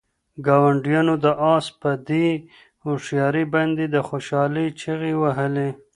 ګاونډیانو د آس په دې هوښیارۍ باندې د خوشحالۍ چیغې وهلې.